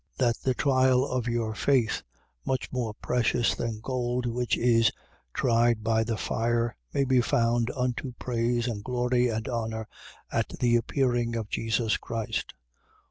That the trial of your faith (much more precious than gold which is tried by the fire) may be found unto praise and glory and honour at the appearing of Jesus Christ.